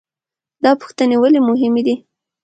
دا پوښتنې ولې مهمې دي؟